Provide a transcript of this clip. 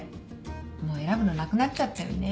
もう選ぶのなくなっちゃったよね。